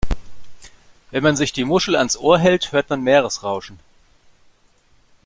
Wenn man sich die Muschel ans Ohr hält, hört man Meeresrauschen.